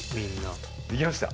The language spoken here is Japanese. できました。